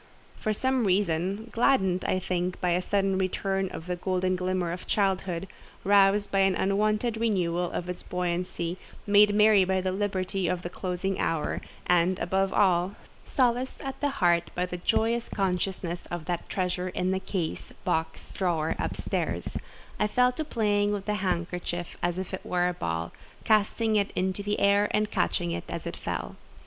For some reason—gladdened, I think, by a sudden return of the golden glimmer of childhood, roused by an unwonted renewal of its buoyancy, made merry by the liberty of the closing hour, and, above all, solaced at heart by the joyous consciousness of that treasure in the case, box, drawer up stairs,—I fell to playing with the handkerchief as if it were a ball, casting it into the air and catching it—as it fell.